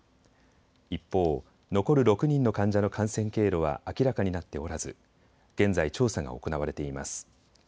一方、残る６人の患者の感染経路は明らかになっておらず現在、調査が行われています。